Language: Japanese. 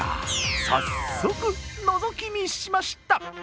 早速のぞき見しました。